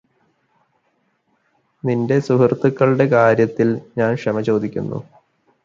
നിന്റെ സുഹൃത്തുക്കളുടെ കാര്യത്തില് ഞാന് ക്ഷമചോദിക്കുന്നു